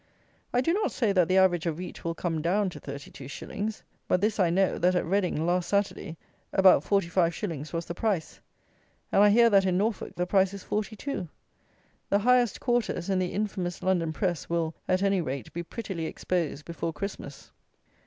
I do not say, that the average of wheat will come down to thirty two shillings; but this I know, that at Reading, last Saturday, about forty five shillings was the price; and, I hear, that, in Norfolk, the price is forty two. The highest quarters, and the infamous London press, will, at any rate, be prettily exposed, before Christmas.